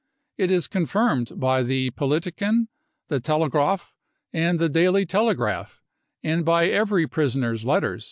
It is confirmed by the Politiken , the Telegraaf and the Daily Telegraph , and by every prisoner's letter.